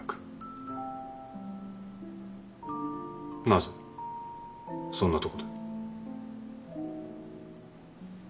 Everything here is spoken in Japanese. なぜそんなとこで？